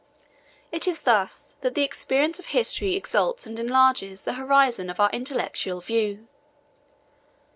It is thus that the experience of history exalts and enlarges the horizon of our intellectual view.